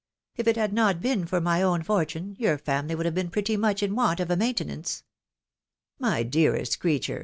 K it had not been for my own fortune, your family would have been pretty much in want of a maintenance." " My dearest creature